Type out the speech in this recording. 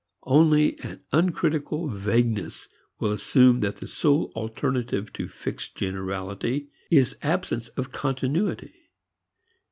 Only an uncritical vagueness will assume that the sole alternative to fixed generality is absence of continuity.